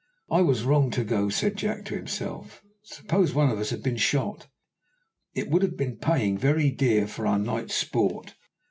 "I was wrong to go," said Jack to himself. "Suppose one of us had been shot, it would have been paying very dear for our night's sport.